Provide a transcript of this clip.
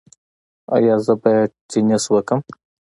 ایا زه باید ټینس وکړم؟